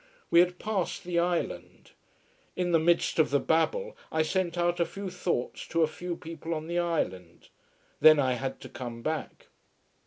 We had passed the island. In the midst of the babel I sent out a few thoughts to a few people on the island. Then I had to come back.